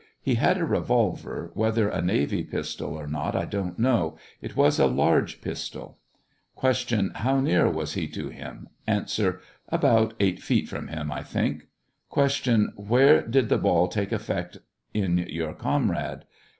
He had a revolver, whether a navy pistol or not I don't know ; it was a large pistol. Q. How near was he to him ? A. About eight feet from him, I think. Q. Where did the ball take effect in your comrade